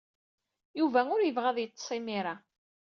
Yuba ur yebɣi ad yeḍḍes imir-a.